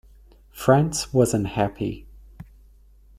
France was unhappy.